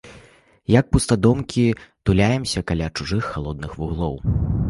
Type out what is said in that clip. Як пустадомкі, туляемся каля чужых халодных вуглоў.